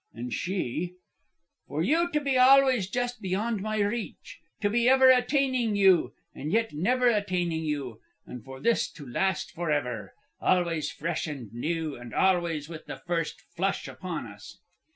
And she: 'For you to be always just beyond my reach. To be ever attaining you, and yet never attaining you, and for this to last forever, always fresh and new, and always with the first flush upon us.